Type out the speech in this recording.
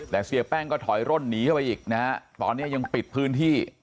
แต่เสียแป้งก็ถอยร่นหนีเข้าไปอีกนะฮะตอนนี้ยังปิดพื้นที่